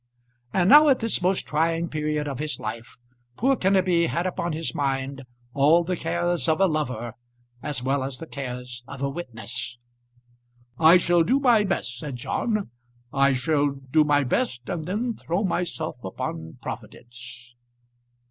And now at this most trying period of his life, poor Kenneby had upon his mind all the cares of a lover as well as the cares of a witness. "I shall do my best," said John. "I shall do my best and then throw myself upon Providence."